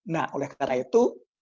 nah oleh karena itu